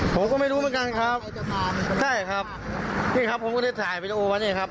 ผมก็ไม่รู้เหมือนกันครับใช่ครับนี่ครับผมก็ได้ถ่ายวีดีโอมานี่ครับ